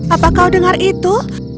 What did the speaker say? apa kau dengar itu